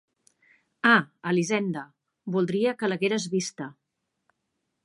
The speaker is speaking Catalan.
Ah, Elisenda! Voldria que l'hagueres vista.